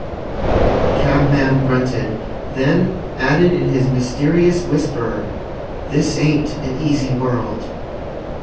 The cabman grunted, then added in his mysterious whisper: "This ain't an easy world."